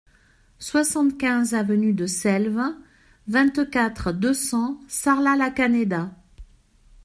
soixante-quinze avenue de Selves, vingt-quatre, deux cents, Sarlat-la-Canéda